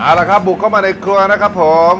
เอาละครับบุกเข้ามาในครัวนะครับผม